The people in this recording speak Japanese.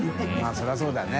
そりゃそうだね。